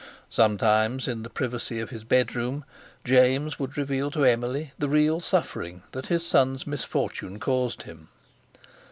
Sometimes in the privacy of his bedroom James would reveal to Emily the real suffering that his son's misfortune caused him.